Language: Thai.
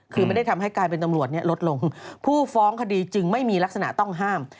คือไม่ได้ทำให้กลายเป็นตำรวจเนี่ยลดลงผู้ฟ้องคดีจึงไม่มีลักษณะต้องห้าม